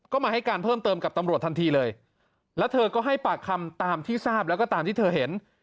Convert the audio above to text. ก็มาให้การเพิ่มเติมกับตำรวจทันทีเลยแล้วเธอก็ให้ปากคำตามที่ทราบแล้วก็ตามที่เธอเห็น